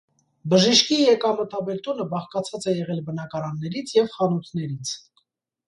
Բժիշկի եկամտաբեր տունը բաղկացած է եղել բնակարաններից և խանութներից։